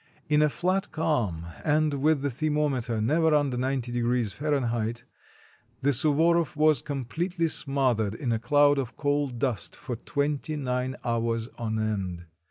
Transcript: In a flat calm, and with the thermometer never under 90° F., the Suvoroff was completely smothered in a cloud of coal dust for twenty nine hours on end.